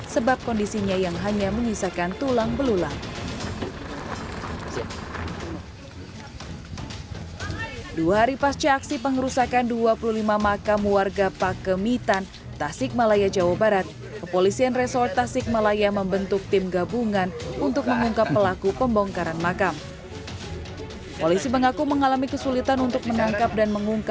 sebab kondisinya yang hanya menyisakan tulang belulang